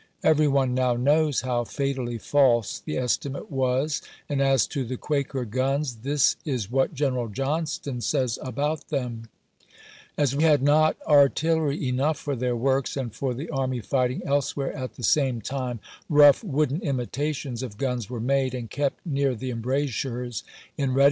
Every one now knows how fatally false the estimate was; and as to the "quaker guns," this is what General Johnston says about them: " As we had not artillery enough for their works and for the army fighting elsewhere at the same time, rough wooden imitations of guns were made, and kept near the embrasures, in readiness for thousand men.